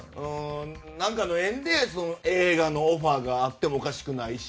何かの縁で映画のオファーがあってもおかしくないし。